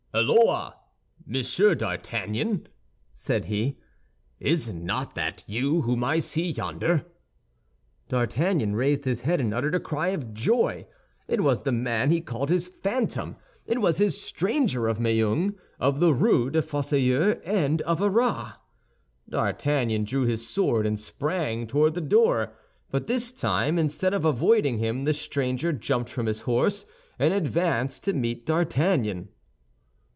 "Holloa, Monsieur d'Artagnan!" said he, "is not that you whom I see yonder?" D'Artagnan raised his head and uttered a cry of joy. It was the man he called his phantom; it was his stranger of Meung, of the Rue des Fossoyeurs and of Arras. D'Artagnan drew his sword, and sprang toward the door. But this time, instead of avoiding him the stranger jumped from his horse, and advanced to meet D'Artagnan.